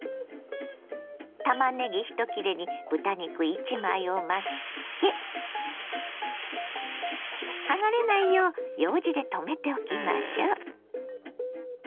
たまねぎ１切れに豚肉１枚を巻きつけ剥がれないようようじでとめておきましょ。